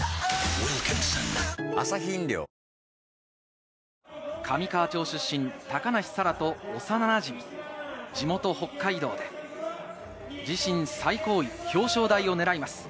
ウィルキンソン上川町出身、高梨沙羅と幼なじみ、地元・北海道で自身最高位、表彰台を狙います。